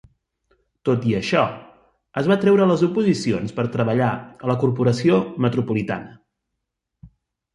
Tot i això, es va treure les oposicions per treballar a la Corporació Metropolitana.